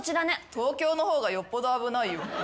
東京の方がよっぽど危ないよ。